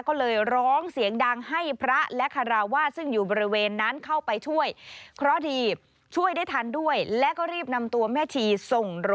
ก็เลยร้องเสียงดังให้พระและคาราวาส